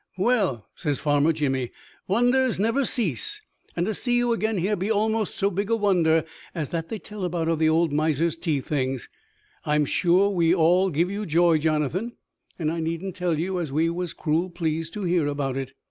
"Well!" says Farmer Jimmy, "wonders never cease! And to see you again here be almost so big a wonder as that they tell about of the old miser's tea things. I'm sure we all give you joy, Jonathan; and I needn't tell you as we was cruel pleased to hear about it."